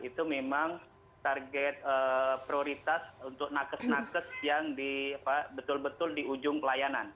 itu memang target prioritas untuk nakes nakes yang betul betul di ujung pelayanan